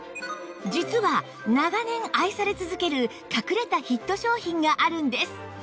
実は長年愛され続ける隠れたヒット商品があるんです